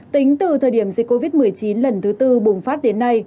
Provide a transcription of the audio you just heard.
tính từ thời điểm dịch covid một mươi chín lần thứ tư bùng phát đến nay